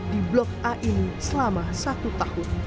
di blok a ini selama satu tahun